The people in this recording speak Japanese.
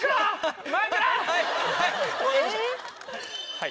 はい。